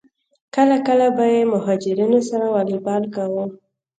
کله کله به یې مهاجرینو سره والیبال کاوه.